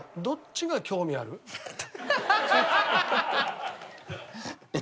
どっちが興味あるか。